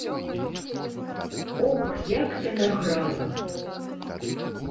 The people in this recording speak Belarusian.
Ох, як яна грала!